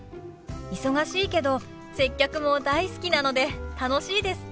忙しいけど接客も大好きなので楽しいです。